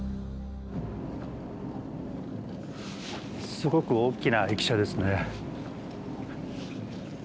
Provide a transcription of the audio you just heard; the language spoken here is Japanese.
すごく大きな駅舎ですね。